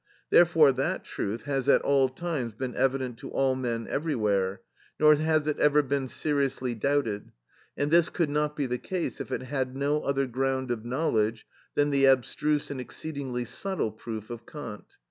Therefore that truth has at all times been evident to all men everywhere, nor has it ever been seriously doubted; and this could not be the case if it had no other ground of knowledge than the abstruse and exceedingly subtle proof of Kant.